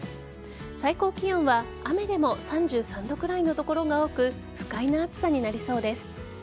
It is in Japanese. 最高気温は雨でも３３度くらいの所が多く不快な暑さになりそうです。